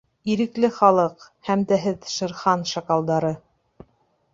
— Ирекле Халыҡ! һәм дә һеҙ, Шер Хан шакалдары!